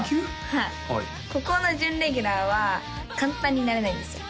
はいここの準レギュラーは簡単になれないんですよ